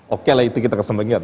oke lah itu kita kesempatannya